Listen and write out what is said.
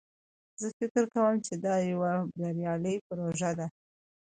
زه فکر کوم چې دا یوه بریالی پروژه ده